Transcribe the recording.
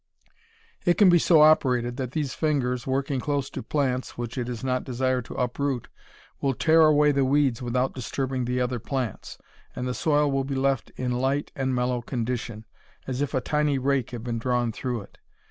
It can be so operated that these fingers, working close to plants which it is not desired to uproot, will tear away the weeds without disturbing the other plants, and the soil will be left in light and mellow condition, as if a tiny rake had been drawn through it.